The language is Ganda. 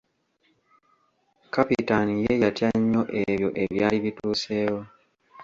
Kapitaani ye yatya nnyo ebyo ebyali bituuseewo!